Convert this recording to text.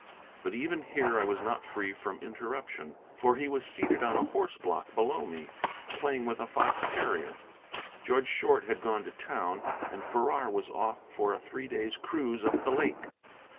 But even here I was not free from interruption, for he was seated on a horse block below me, playing with a fox terrier. Judge Short had gone to town, and Farrar was off for a three days' cruise up the lake.